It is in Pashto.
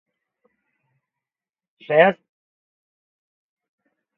ښه یاست؟